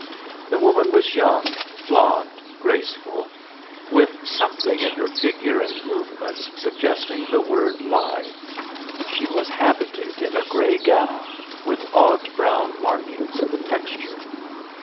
The woman was young, blonde, graceful, with something in her figure and movements suggesting the word "lithe." She was habited in a gray gown with odd brown markings in the texture.